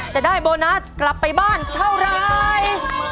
จะได้โบนัสกลับไปบ้านเท่าไร